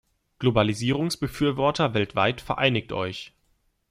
Globalisierungsbefürworter weltweit vereinigt euch!